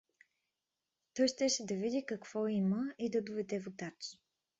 Той щеше да види какво има и да доведе водач.